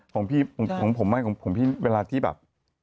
ของพี่ของผมไม่ของผมพี่เวลาที่แบบ